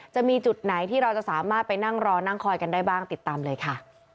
จะมีจุดไหนที่เราจะสามารถไปนั่งรอนั่งคอยกันได้บ้างติดตามเลยค่ะ